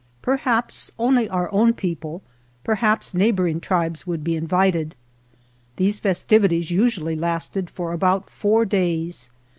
Perhaps only our own people, perhaps neighboring tribes would be invited. These festivities usually lasted for about four days.